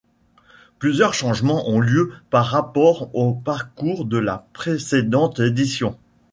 Plusieurs changements ont lieu par rapport au parcours de la précédente édition.